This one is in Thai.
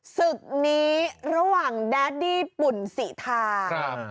ศึกนี้ระหว่างแดดดี้ปุ่นศรีทาง